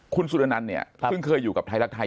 คุณสุรนันต์เนี่ยซึ่งเคยอยู่กับไทยรักไทย